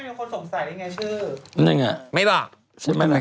มีคนสงสัยยังไงชื่อนั้นไงไม่บอกนั้นอย่างอะไร